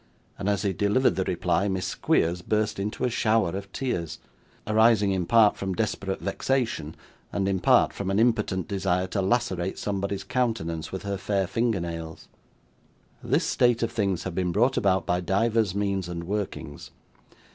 And as he delivered the reply, Miss Squeers burst into a shower of tears; arising in part from desperate vexation, and in part from an impotent desire to lacerate somebody's countenance with her fair finger nails. This state of things had been brought about by divers means and workings.